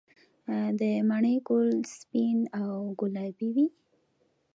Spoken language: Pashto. د مڼې ګل سپین او ګلابي وي؟